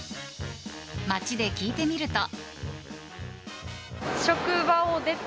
街で聞いてみると。